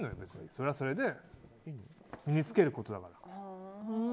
それはそれで身に着けることだから。